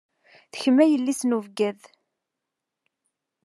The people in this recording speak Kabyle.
D kemm ay yelli-s n ubekkaḍ.